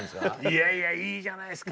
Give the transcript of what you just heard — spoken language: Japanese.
いやいやいいじゃないっすか